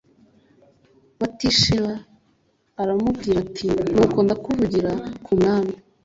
Batisheba aramubwira ati “Nuko ndakuvugira ku mwami.”